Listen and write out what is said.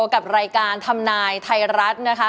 กับรายการทำนายไทยรัฐนะคะ